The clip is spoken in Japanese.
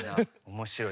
面白い。